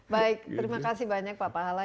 baik terima kasih banyak pak pahala